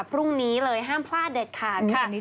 พรุ่งนี้เลยห้ามพลาดเด็ดขาดค่ะ